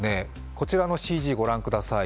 こちらのＣＧご覧ください。